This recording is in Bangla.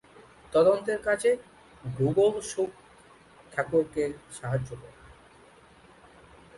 তদন্তের কাজে গোগোল শোক ঠাকুরকে সাহায্য করে।